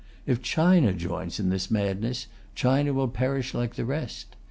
If China joins in this madness, China will perish like the rest.